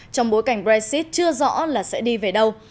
trong bối cảnh brexit chưa rõ là sẽ đi về đâu